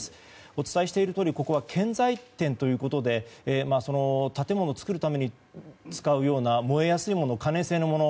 お伝えしていますとおり、ここは建材店ということで建物を作るために使うような燃えやすいもの、可燃性のもの